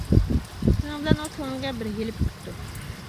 شۇنىڭ بىلەن ئۇ كۆڭلىگە بىر ھىيلە پۈكۈپتۇ.